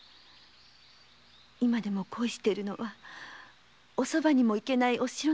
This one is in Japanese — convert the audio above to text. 今でも恋しているのはお側にもいけないお城の上様。